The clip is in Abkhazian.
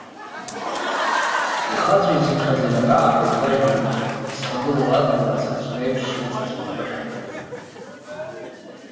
Ихаҵәицыԥхьаӡа инаҳәы-ааҳәуеит ажәҩан, изхагылоу адгьыл ацҳаҵәры еиԥш иаҵаҵәиуашәа.